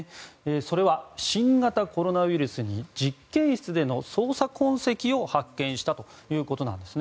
それは、新型コロナウイルスに実験室での操作痕跡を発見したということなんですね。